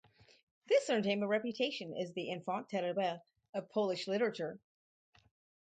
This earned him a reputation as the "enfant terrible" of Polish literature.